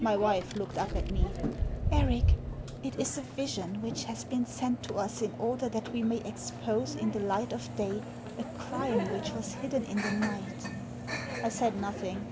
My wife looked up at me. " Eric, it is a vision which has been sent to us in order that we may expose in the light of day a crime which was hidden in the night" I said nothing.